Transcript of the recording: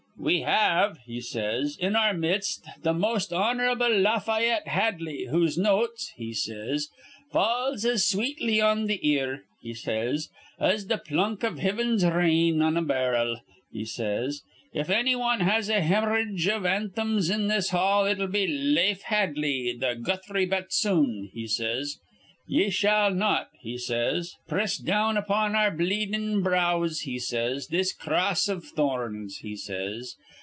We have,' he says, 'in our mist th' Hon'rable Lafayette Hadley, whose notes,' he says, 'falls as sweetly on th' ear,' he says, 'as th' plunk iv hivin's rain in a bar'l,' he says. 'If annywan has a hemorrhage iv anthems in this hall, it'll be Lafe Hadley, th' Guthrie batsoon,' he says. 'Ye shall not,' he says, 'press down upon our bleedin' brows,' he says, 'this cross iv thorns,' he says.